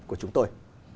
của chúng tôi